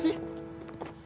aku mau ke rumah